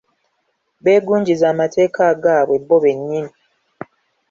Beegunjiza amateeka agaabwe bo bennyini